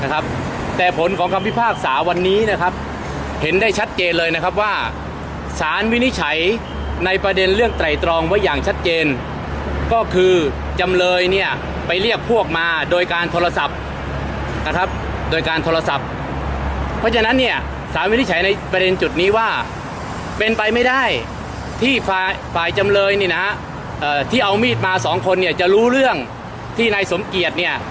แต่ผลของคำพิพากษาวันนี้นะครับเห็นได้ชัดเจนเลยนะครับว่าสารวินิจฉัยในประเด็นเรื่องไตรตรองไว้อย่างชัดเจนก็คือจำเลยเนี่ยไปเรียกพวกมาโดยการโทรศัพท์นะครับโดยการโทรศัพท์เพราะฉะนั้นเนี่ยสารวินิจฉัยในประเด็นจุดนี้ว่าเป็นไปไม่ได้ที่ฝ่ายจำเลยนี่นะฮะที่เอามีดมาสองคนเนี่ยจะรู้เรื่องที่นายสมเกียจเนี่ย